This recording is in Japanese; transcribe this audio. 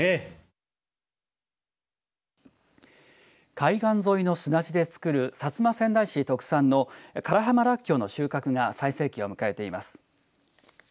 海岸沿いの砂地で作る薩摩川内市特産の唐浜らっきょうの収穫が最盛期を迎えています。